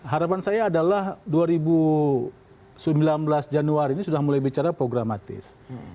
harapan saya adalah dua ribu sembilan belas januari ini sudah mulai bicara programatis